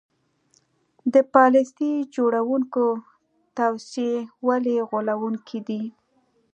د پالیسي جوړوونکو توصیې ولې غولوونکې دي.